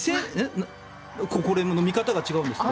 この見方が違うんですって。